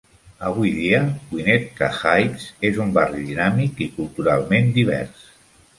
Avui dia, Winnetka Heights és un barri dinàmic i culturalment divers.